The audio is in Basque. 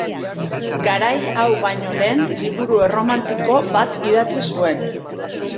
Garai hau baino lehen liburu erromantiko bat idatzi zuen.